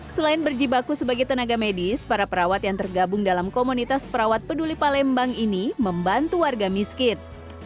selain berjibaku sebagai tenaga medis para perawat yang tergabung dalam komunitas perawat peduli palembang ini membantu warga miskin